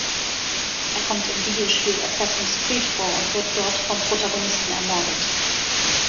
Er kommt im Videospiel Assassin’s Creed vor und wird dort vom Protagonisten ermordet.